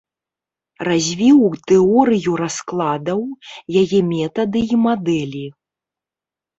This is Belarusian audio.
Развіў тэорыю раскладаў, яе метады і мадэлі.